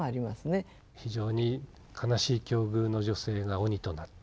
非常に悲しい境遇の女性が鬼となった。